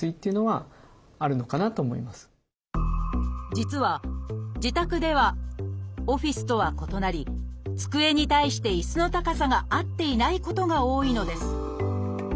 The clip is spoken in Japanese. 実は自宅ではオフィスとは異なり机に対して椅子の高さが合っていないことが多いのです